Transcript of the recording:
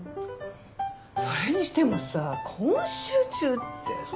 それにしてもさ今週中って。